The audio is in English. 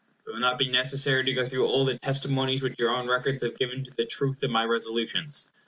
It will not be necessary to go through all the testimonies which your own records have given to the truth of my Resolutions.